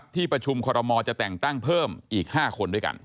ที่ประชุมคอรมอลจะแต่งตั้งเพิ่มอีก๕คนด้วยกัน